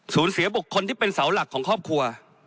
เสียบุคคลที่เป็นเสาหลักของครอบครัว